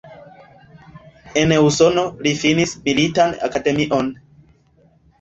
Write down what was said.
En Usono li finis Militan Akademion.